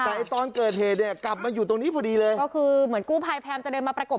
แต่ตอนเกิดเหตุเนี่ยกลับมาอยู่ตรงนี้พอดีเลยก็คือเหมือนกู้ภัยพยายามจะเดินมาประกบ